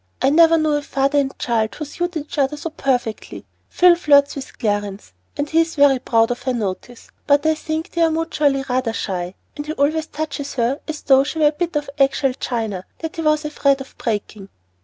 "I never knew a father and child who suited each other so perfectly. Phil flirts with Clarence and he is very proud of her notice, but I think they are mutually rather shy; and he always touches her as though she were a bit of eggshell china, that he was afraid of breaking."